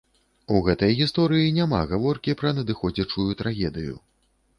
У гэтай гісторыі няма гаворкі пра надыходзячую трагедыю.